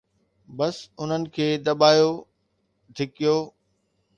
بس انهن کي دٻايو، ڍڪيو.